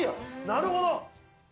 なるほど！